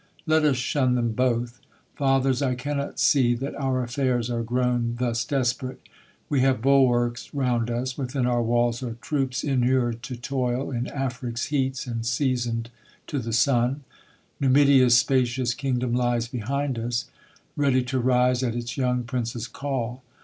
Let us shun them both. Fathers, I cannot see that our affairs Are grown thus desp'rate : we have bulwarks round us' : Within our walls are troops inur'd to toil In Afric's heats, and season'd to the sun : Numidia's spacious kingdom lies behind us, Ready to rise at its young prince's call.